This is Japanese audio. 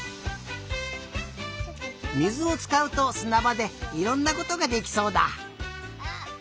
水をつかうとすなばでいろんなことができそうだ。